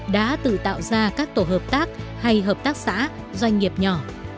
đã tự tạo ra các tổ hợp tác hay hợp tác xã doanh nghiệp nhỏ